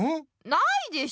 ないでしょ。